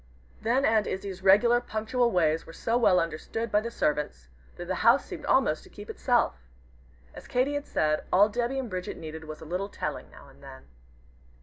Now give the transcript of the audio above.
Then Aunt Izzie's regular, punctual ways were so well understood by the servants, that the house seemed almost to keep itself. As Katy had said, all Debby and Bridget needed was a little "telling" now and then.